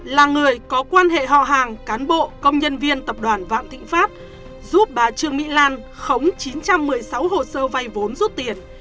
là người có quan hệ họ hàng cán bộ công nhân viên tập đoàn vạn thịnh pháp giúp bà trương mỹ lan khống chín trăm một mươi sáu hồ sơ vay vốn rút tiền